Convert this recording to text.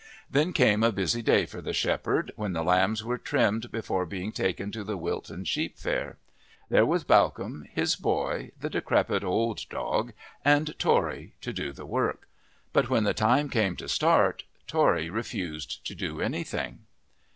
Then came a busy day for the shepherd, when the lambs were trimmed before being taken to the Wilton sheep fair. There was Bawcombe, his boy, the decrepit old dog, and Tory to do the work, but when the time came to start Tory refused to do anything.